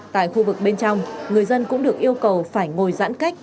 tại khu vực bên trong người dân cũng được yêu cầu phải ngồi giãn cách